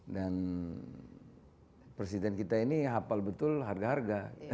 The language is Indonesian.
dan presiden kita ini hafal betul harga harga